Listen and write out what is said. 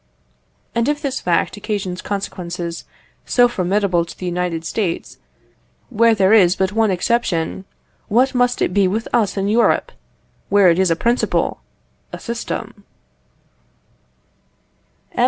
And if this fact occasions consequences so formidable to the United States, where there is but one exception, what must it be with us in Europe, where it is a principle a system? M.